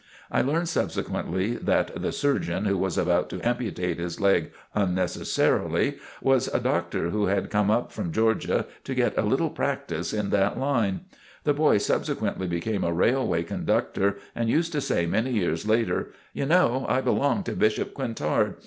I learned subsequently that the "surgeon" who was about to amputate his leg unnecessarily, was a doctor who had come up from Georgia to get a little practice in that line. The boy subsequently became a railway conductor and used to say many years later, "You know I belong to Bishop Quintard.